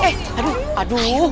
eh aduh aduh